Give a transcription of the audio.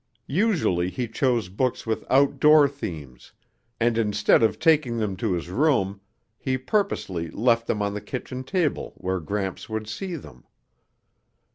Usually he chose books with outdoor themes, and instead of taking them to his room, he purposely left them on the kitchen table where Gramps would see them.